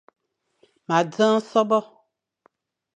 Ma dzeng sôbô.